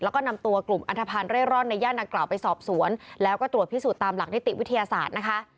แล้วก็นำตัวกลุ่มอันทภัณฑ์เร่ร่อนในย่านดังกล่าวไปสอบสวนแล้วก็ตรวจพิสูจน์ตามหลักนิติวิทยาศาสตร์นะคะ